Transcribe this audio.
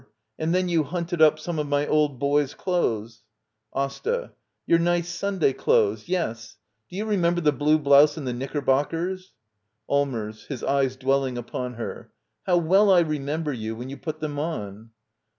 And then you hunted up some of my old boy's clothes — AsTA. Your nice Sunday clothes — yes. Do you remember the blue blouse and the knickerbockers? Allmers. [His eyes dwelling upon her.] How well I remember you, when you put them on.